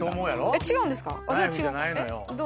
えっ違うんですか。